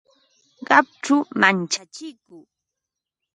Qaqchu manchachiku